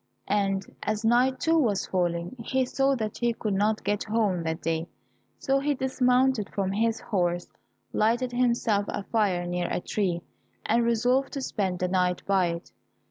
And as night, too, was falling, he saw that he could not get home that day, so he dismounted from his horse, lighted himself a fire near a tree, and resolved to spend the night by it.